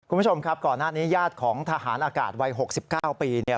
คุณผู้ชมครับก่อนหน้านี้ญาติของทหารอากาศวัย๖๙ปีเนี่ย